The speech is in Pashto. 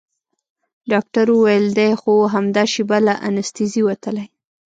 ډاکتر وويل دى خو همدا شېبه له انستيزي وتلى.